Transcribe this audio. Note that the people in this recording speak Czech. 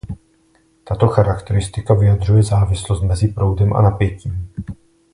Tato charakteristika vyjadřuje závislost mezi proudem a napětím.